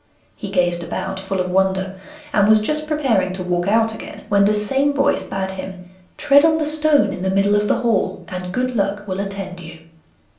He gazed about, full of wonder, and was just preparing to walk out again when the same voice bade him: 'Tread on the stone in the middle of the hall, and good luck will attend you.